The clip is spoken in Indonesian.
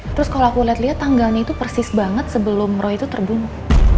terus kalau aku lihat lihat tanggalnya itu persis banget sebelum roh itu terbunuh